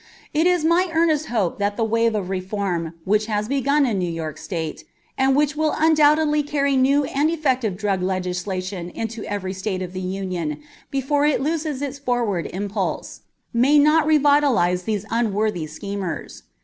It is my earnest hope that the wave of reform which has begun in New York State, and which undoubtedly will carry new and effective drug legislation into every State of the Union before it loses its forward impulse, may not revitalize these unworthy schemers.